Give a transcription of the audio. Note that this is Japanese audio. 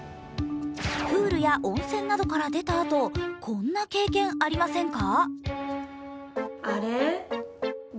プールや温泉などから出たあと、こんな経験ありませんか？